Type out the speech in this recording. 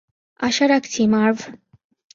আশা রাখছি, মার্ভ।